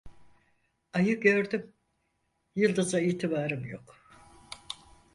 Ayı gördüm, yıldıza itibarım yok.